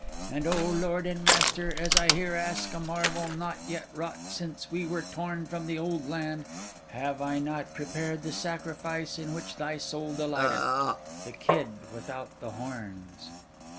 And, O lord and master, as I here ask a marvel not yet wrought since we were torn from the old land, have I not prepared the sacrifice in which thy soul delighteth—the kid without the horns?